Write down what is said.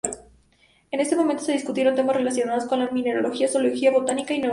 En este último se discutieron temas relacionados con la mineralogía, zoología, botánica, y metalurgia.